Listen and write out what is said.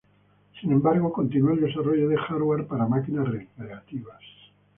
Sin embargo, continúa el desarrollo de hardware para máquinas recreativas.